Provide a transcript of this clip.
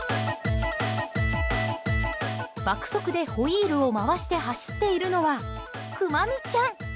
爆速でホイールを回して走っているのはクマ美ちゃん。